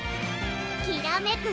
きらめく